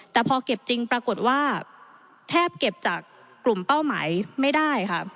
แต่พอเก็บจริงปรากฏว่าแทบเก็บจากกลุ่มเป้าหมายไม่ได้ค่ะ